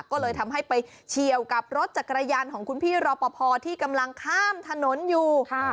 ก็เลยทำให้ไปเฉียวกับรถจักรยานของคุณพี่รอปภที่กำลังข้ามถนนอยู่